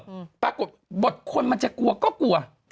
เออปรากฏบทคนมันจะกลวก็กลววเจาะ